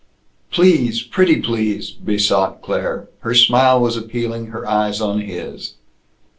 "Please! Pretty please!" besought Claire. Her smile was appealing, her eyes on his.